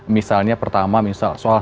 misalnya pertama misal soal